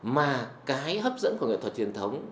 mà cái hấp dẫn của nghệ thuật truyền thống